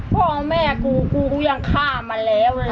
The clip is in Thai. พ่อแม่กูกูก็ยังฆ่ามันแล้วไง